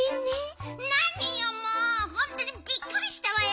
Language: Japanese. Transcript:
なによもうほんとにびっくりしたわよ！